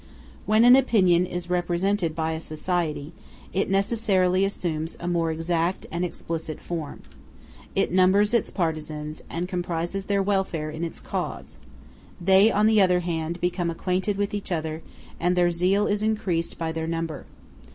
When an opinion is represented by a society, it necessarily assumes a more exact and explicit form. It numbers its partisans, and compromises their welfare in its cause: they, on the other hand, become acquainted with each other, and their zeal is increased by their number.